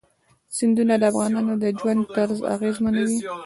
سیندونه د افغانانو د ژوند طرز اغېزمنوي.